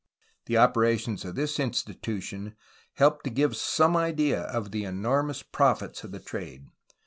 The operations of this institution help to give some idea of the enormous profits of the trade.